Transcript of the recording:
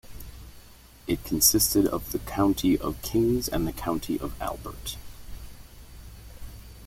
It consisted of the county of King's and the county of Albert.